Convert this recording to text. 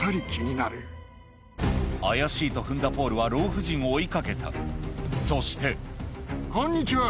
怪しいと踏んだポールは老婦人を追い掛けたそしてこんにちは。